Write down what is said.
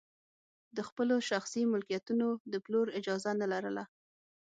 د خپلو شخصي ملکیتونو د پلور اجازه نه لرله.